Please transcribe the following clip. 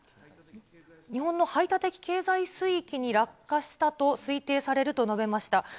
日本の排他的経済水域に落下したと推定されると述べました。